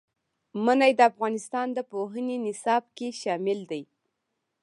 منی د افغانستان د پوهنې نصاب کې شامل دي.